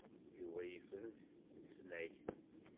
Yuba yefren s tesnagt.